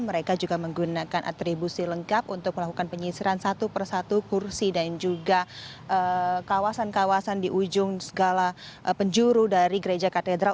mereka juga menggunakan atribusi lengkap untuk melakukan penyisiran satu persatu kursi dan juga kawasan kawasan di ujung segala penjuru dari gereja katedral